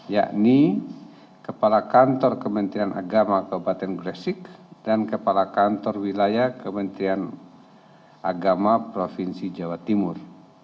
yakni kepala kantor kementerian agama kabupaten gresik dan kepala kantor wilayah kementerian agama provinsi jawa timur